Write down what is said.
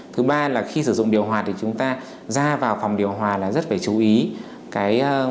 thứ ba là khi sử dụng điều hòa thì chúng ta ra vào phòng điều hòa là rất phải chú ý